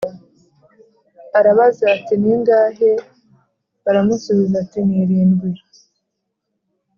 arabaza ati ningahe Baramusubiza bati Ni irindwi